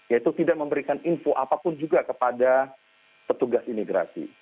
yaitu tidak memberikan info apapun juga kepada petugas imigrasi